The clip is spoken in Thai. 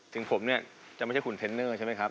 ถึงผมเนี่ยจะไม่ใช่คุณเทนเนอร์ใช่ไหมครับ